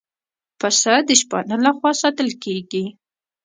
پسه د شپانه له خوا ساتل کېږي.